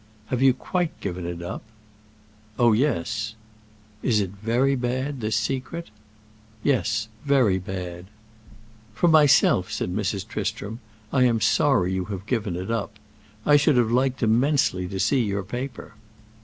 "Have you quite given it up?" "Oh yes." "Is it very bad, this secret?" "Yes, very bad." "For myself," said Mrs. Tristram, "I am sorry you have given it up. I should have liked immensely to see your paper.